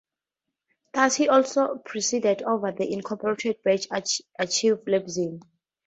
Thus he also presided over the incorporated Bach Archive Leipzig.